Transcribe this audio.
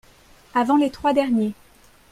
avant les trois derniers